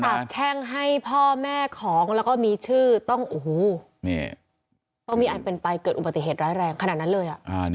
แช่งให้พ่อแม่ของแล้วก็มีชื่อต้องโอ้โหต้องมีอันเป็นไปเกิดอุบัติเหตุร้ายแรงขนาดนั้นเลย